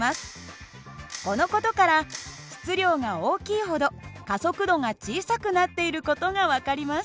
この事から質量が大きいほど加速度が小さくなっている事が分かります。